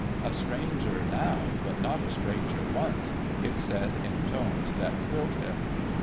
' A stranger now, but not a stranger once,' it said in tones that thrilled him.